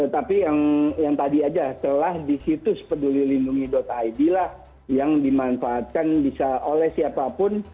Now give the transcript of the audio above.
tapi yang tadi aja telah di situs peduli lindungi id lah yang dimanfaatkan bisa oleh siapapun